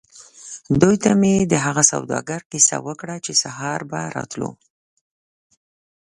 دوی ته مې د هغه سوداګر کیسه وکړه چې سهار به راتلو.